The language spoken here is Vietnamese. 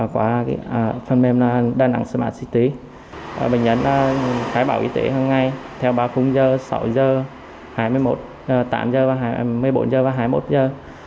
qua phần mềm đà nẵng smart city bệnh nhân khai bảo y tế hằng ngày theo ba khung giờ sáu giờ tám giờ hai mươi bốn giờ và hai mươi một giờ